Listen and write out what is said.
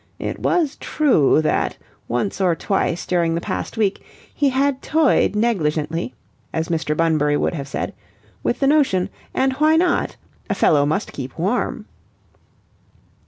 It was true that once or twice during the past week he had toyed negligently, as Mr. Bunbury would have said, with the notion, and why not? A fellow must keep warm.